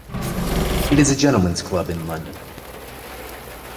It is a gentlemen's club in London.